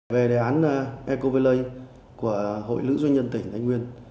về đề án eco valley của hội nữ doanh nhân tỉnh thái nguyên